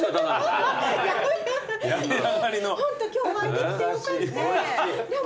ホント今日お会いできてよかった。